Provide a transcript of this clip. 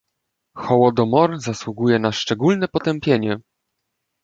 Hołodomor zasługuje na szczególne potępienie